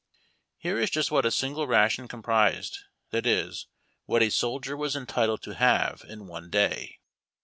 Here is just what a single ration comprised, that is, what a soldier was entitled to have in one day.